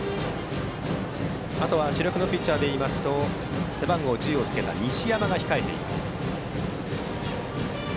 あとは主力のピッチャーですと背番号１０をつけた西山が控えています。